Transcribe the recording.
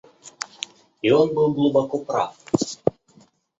И он был глубоко прав.